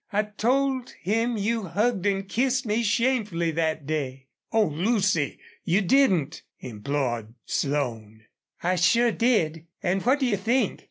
I told him you hugged and kissed me shamefully that day." "Oh, Lucy! you didn't?" implored Slone. "I sure did. And what do you think?